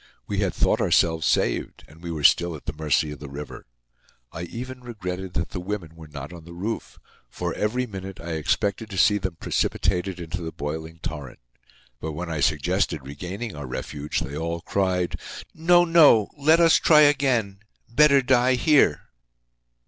We had thought ourselves saved, and we were still at the mercy of the river. I even regretted that the women were not on the roof; for, every minute, I expected to see them precipitated into the boiling torrent. But when I suggested regaining our refuge they all cried: "No, no! Let us try again! Better die here!"